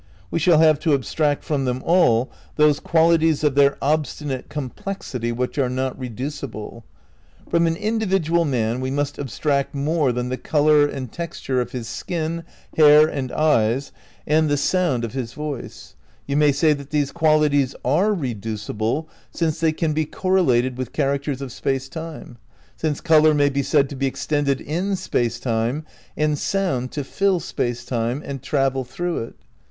We shall have to abstract from them all those qualities of their ob stinate complexity which are not reducible. From an individual man we must abstract more than the colour and texture of his skin, hair and eyes and the sound of ' Space, Time and Deity, Vol. I, p. 238. ' The same. ' The same. * The same, p. 246. 184 THE NEW IDEALISM v his voice. You may say that these qualities are re ducible since they can be correlated with characters of space time, since colour may be said to be extended in space time and sound to fill space time, and travel through it.